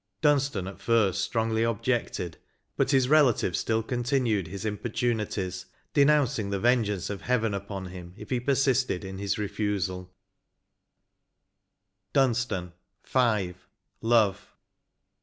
Dunstan at first strongly objected ; but his relative still continued his importunities, denouncing the vengeance of Heaven upon him if he persisted in his refUsal. 139 LXIX. DUNSTAN. — V. LOVE.